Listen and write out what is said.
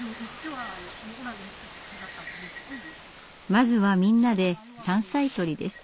まずはみんなで山菜採りです。